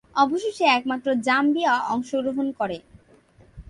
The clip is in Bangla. অবশেষে একমাত্র জাম্বিয়া অংশগ্রহণ করে।